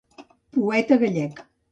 Poeta gallec.